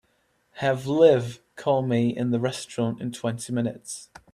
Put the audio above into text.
Have Liv call me in the restaurant in twenty minutes.